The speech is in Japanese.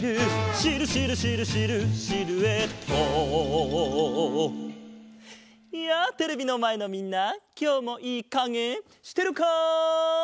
「シルシルシルシルシルエット」やあテレビのまえのみんなきょうもいいかげしてるか？